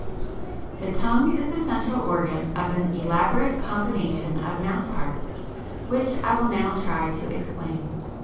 ] The tongue is the central organ of an elaborate combination of mouth parts, which I will now try to explain.